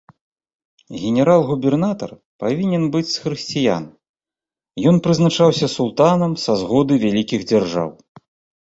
Генерал-губернатар павінен быць з хрысціян, ён прызначаўся султанам са згоды вялікіх дзяржаў.